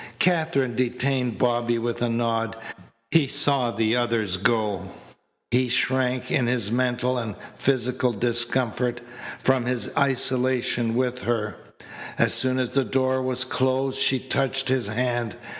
Katherine detained Bobby with a nod. He saw the others go. He shrank, in his mental and physical discomfort, from this isolation with her. As soon as the door was closed she touched his hand.